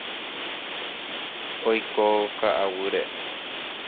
Oiko ka'aguýre.